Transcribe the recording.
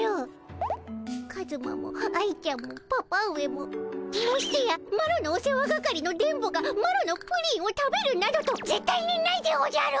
カズマも愛ちゃんもパパ上もましてやマロのお世話係の電ボがマロのプリンを食べるなどとぜったいにないでおじゃる！